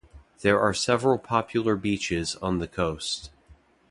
There are several popular beaches on the coast.